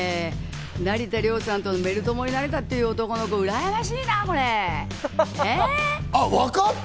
成田凌さんとメル友になれたっていう男の子、うらやましいなぁ、わかった！